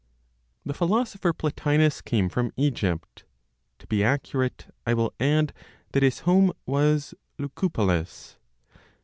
The philosopher Plotinos came from Egypt; to be accurate, I will add that his home was Lycopolis.